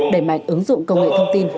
để mạnh ứng dụng công nghệ thông tin